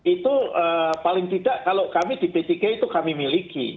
itu paling tidak kalau kami di p tiga itu kami miliki